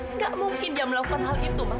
nggak mungkin dia melakukan hal itu mas